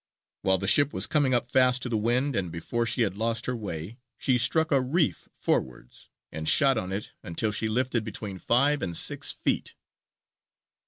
While the ship was coming up fast to the wind, and before she had lost her way, she struck a reef forwards, and shot on it until she lifted between five and six feet."